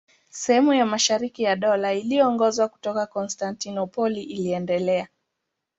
Sehemu ya mashariki ya Dola iliyoongozwa kutoka Konstantinopoli iliendelea.